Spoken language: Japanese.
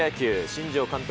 新庄監督